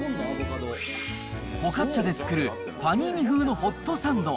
フォカッチャで作る、パニーニ風のホットサンド。